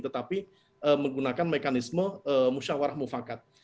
tetapi menggunakan mekanisme musyawarat